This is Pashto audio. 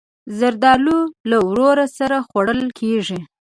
زردالو له ورور سره خوړل کېږي.